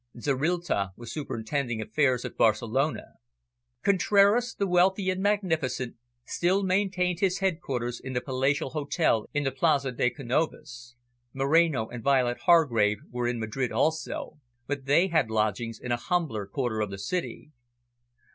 Zorrilta was superintending affairs at Barcelona. Contraras, the wealthy and magnificent, still maintained his quarters in the palatial hotel in the Plaza de Canovas. Moreno and Violet Hargrave were in Madrid also, but they had lodgings in a humbler quarter of the city.